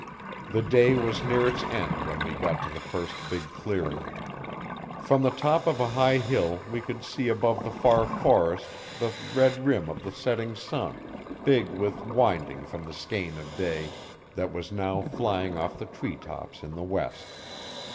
The day was near its end when we got to the first big clearing. From the top of a high hill we could see above the far forest, the red rim of the setting sun, big with winding from the skein of day, that was now flying off the tree tops in the west.